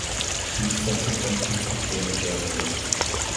He subsequently became a journalist.